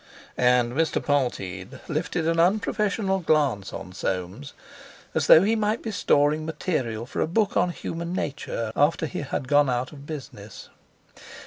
'" And Mr. Polteed lifted an unprofessional glance on Soames, as though he might be storing material for a book on human nature after he had gone out of business.